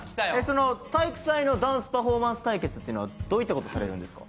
その体育祭のダンスパフォーマンス対決っていうのはどういった事をされるんですか？